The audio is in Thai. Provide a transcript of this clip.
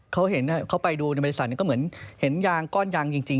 เขาเห็นเขาไปดูในบริษัทก็เหมือนเห็นยางก้อนยางจริง